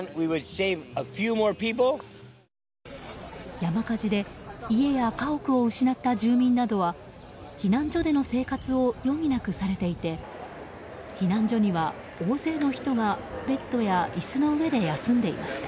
山火事で家や家屋を失った住民などは避難所での生活を余儀なくされていて避難所では大勢の人がベッドや椅子の上で休んでいました。